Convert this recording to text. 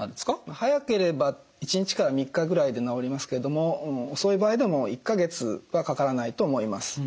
早ければ１日から３日ぐらいで治りますけれども遅い場合でも１か月はかからないと思います。